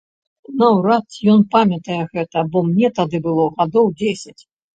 Наўрад ці ён памятае гэта, бо мне тады было гадоў дзесяць.